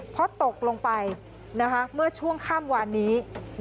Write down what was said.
เพราะตกลงไปเมื่อช่วงค่ำวานนี้